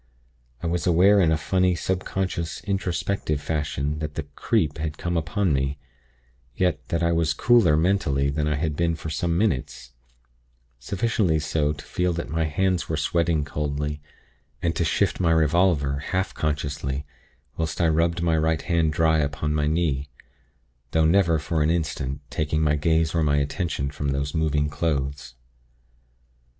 I was aware in a funny, subconscious, introspective fashion that the 'creep' had come upon me; yet that I was cooler mentally than I had been for some minutes; sufficiently so to feel that my hands were sweating coldly, and to shift my revolver, half consciously, whilst I rubbed my right hand dry upon my knee; though never, for an instant, taking my gaze or my attention from those moving clothes.